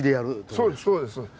そうですそうです。